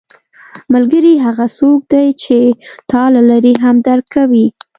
ملګری هغه څوک دی چې تا له لرې هم درک کوي